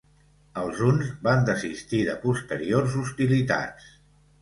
Els huns van desistir de posteriors hostilitats.